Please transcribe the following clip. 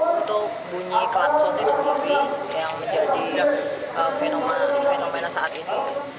untuk bunyi klakson tstv yang menjadi fenomena saat ini